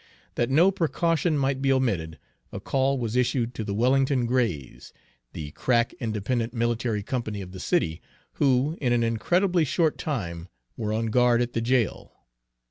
That no precaution might be omitted, a call was issued to the Wellington Grays, the crack independent military company of the city, who in an incredibly short time were on guard at the jail.